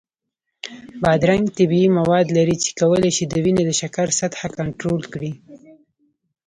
بادرنګ طبیعي مواد لري چې کولی شي د وینې د شکر سطحه کنټرول کړي.